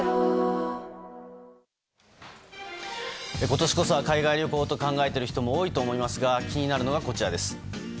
今年こそは海外旅行と考えている人も多いと思いますが気になるのは、こちらです。